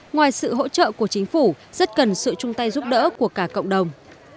ngoài sự hỗ trợ của chính phủ rất cần sự chung tay giúp đỡ của cả cộng đồng